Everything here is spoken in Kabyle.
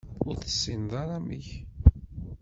Ur tessineḍ ara amek?